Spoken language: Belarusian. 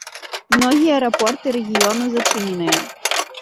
Многія аэрапорты рэгіёну зачыненыя.